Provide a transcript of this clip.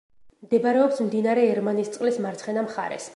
მდებარეობს მდინარე ერმანისწყლის მარცხენა მხარეს.